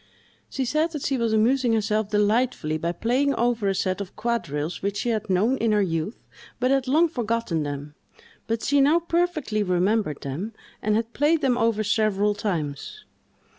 She said that she was amusing herself delightfully by playing over a set of quadrilles which she had known in her youth, but had long forgotten them; but she now perfectly remembered them, and had played them over several times.